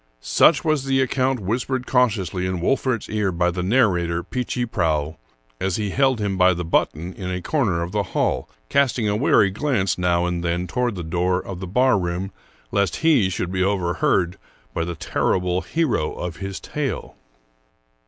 Such was the account whispered cautiously in Wolfert's ear by the narrator, Peechy Prauw, as he held him by the button in a corner of the hall, casting a wary glance now and then toward the door of the barroom, lest he should be overheard by the terrible hero of his tale.